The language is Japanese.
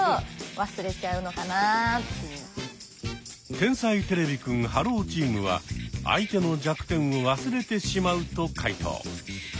天才てれびくんｈｅｌｌｏ，チームは「相手の弱点を忘れてしまう」と解答。